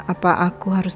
apa aku harus